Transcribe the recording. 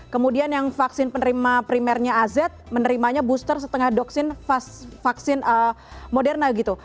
kemudian yang vaksin penerima primernya az menerimanya booster setengah doksin vaksin moderna gitu